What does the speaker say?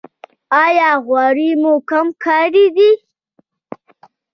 ایا غوړي مو کم کړي دي؟